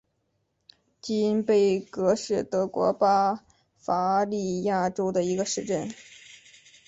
金贝格是德国巴伐利亚州的一个市镇。